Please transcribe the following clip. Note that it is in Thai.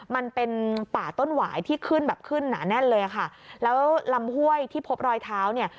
มันเป็นป่าต้นหวายที่ขึ้นแบบขึ้นหนาแน่นเลยอ่ะค่ะแล้วลำห้วยที่พบรอยเท้าเนี่ย